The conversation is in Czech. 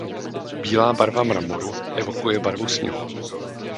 Bílá barva mramoru evokuje barvu sněhu.